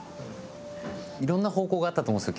色んな方向があったと思うんですよ